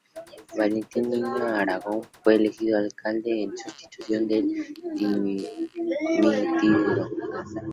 Valentín Niño Aragón fue elegido alcalde en sustitución del dimitido.